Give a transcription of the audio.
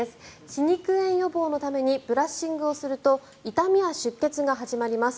歯肉炎予防のためにブラッシングをすると痛みや出血が始まります。